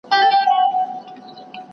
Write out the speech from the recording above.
ټولنه که سالمه غذا ونه لري، افراد ناروغ وي.